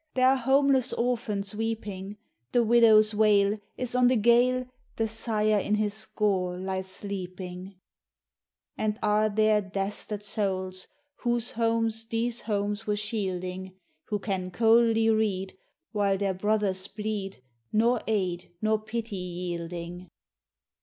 There are homeless orphans weeping; The widow's wail Is on the gale, The sire in his gore lies sleeping. And are there dastard souls, Whose homes these homes were shielding, Who can coldly read While their brothers bleed, Nor aid nor pity yielding?